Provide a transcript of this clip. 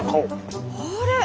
あれ？